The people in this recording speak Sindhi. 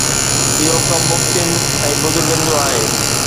اهو ڪم مفتين ۽ بزرگن جو آهي.